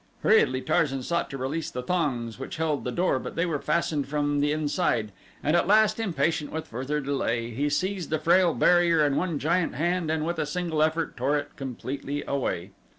Hurriedly Tarzan sought to release the thongs which held the door but they were fastened from the inside, and at last, impatient with further delay, he seized the frail barrier in one giant hand and with a single effort tore it completely away.